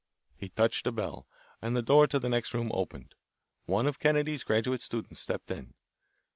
He touched a bell, and the door to the next room opened. One of Kennedy's graduate students stepped in.